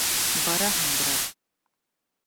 Бараһың, брат.